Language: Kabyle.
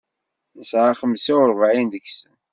Nesɛa xemsa-urebɛin deg-sen.